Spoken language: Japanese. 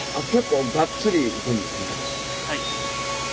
はい。